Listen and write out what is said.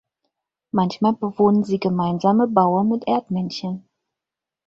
Manchmal bewohnen sie gemeinsame Baue mit Erdmännchen.